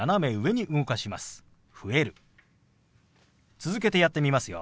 続けてやってみますよ。